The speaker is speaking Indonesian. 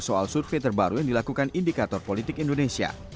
soal survei terbaru yang dilakukan indikator politik indonesia